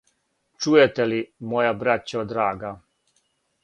"Чујете ли, моја браћо драга,"